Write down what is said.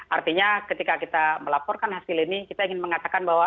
artinya ketika kita melaporkan hasil ini kita ingin mengatakan bahwa